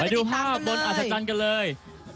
ไปดูภาพบนอาจัยจันทร์กันเลย